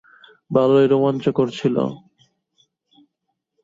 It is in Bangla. ভালোই রোমাঞ্চকর ছিল।